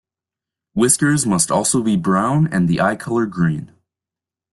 Whiskers must also be brown and the eye color green.